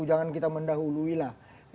jangan kita mendahului lah